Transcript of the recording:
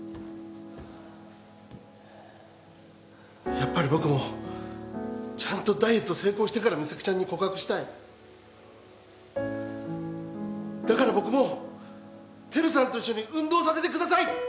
やっぱり僕もちゃんとダイエット成功してからミサキちゃんに告白したいだから僕もテルさんと一緒に運動させてください！